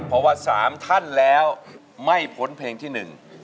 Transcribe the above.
เพราะว่าสามท่านแล้วไม่พ้นเพลงที่หนึ่ง